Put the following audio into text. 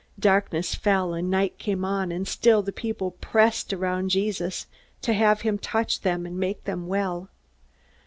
Darkness fell, and night came on, and still the people pressed around Jesus to have him touch them and make them well.